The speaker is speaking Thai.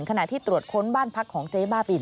ขณะที่ตรวจค้นบ้านพักของเจ๊บ้าบิน